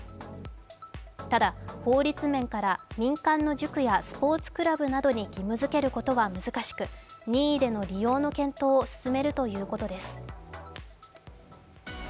ただ法律面から民間の塾やスポーツクラブなどに義務づけることは難しく任意での利用の検討を進めるということです。